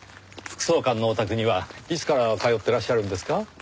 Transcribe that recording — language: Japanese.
副総監のお宅にはいつから通ってらっしゃるんですか？